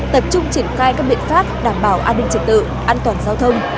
tập trung triển khai các biện pháp đảm bảo an ninh trật tự an toàn giao thông